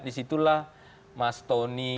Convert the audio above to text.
di situlah mas tony